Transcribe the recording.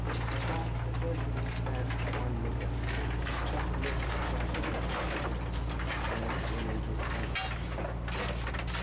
At that the clergyman cast one look at them such a look as I shall never forget and went into the house.